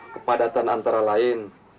kepadatan antara lain